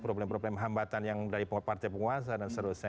problem problem hambatan yang dari partai penguasa dan seterusnya